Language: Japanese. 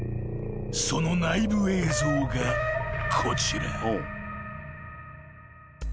その内部映像がこちら］